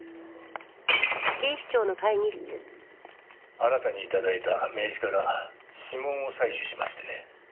あなたに頂いた名刺から指紋を採取しましてね。